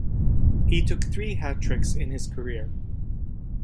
He took three hat tricks in his career.